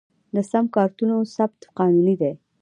د سم کارتونو ثبت قانوني دی؟